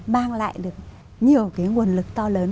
mang lại được nhiều cái nguồn lực to lớn